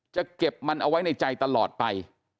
จะเก็บมันเอาไว้ในใจตลอดไป